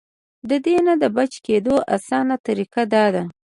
د دې نه د بچ کېدو اسانه طريقه دا ده -